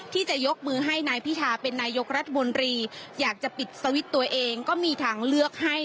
ที่จะยกมือให้นายพิธาเป็นนายกรัฐมนตรีอยากจะปิดสวิตช์ตัวเองก็มีทางเลือกให้